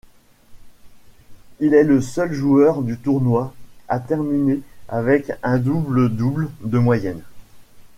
Il est le seul joueur du tournoi à terminer avec un double-double de moyenne.